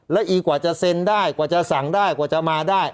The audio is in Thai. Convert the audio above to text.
แล้วอีกว่าจะเซ็นได้กว่าจะสั่งได้กว่าจะมาได้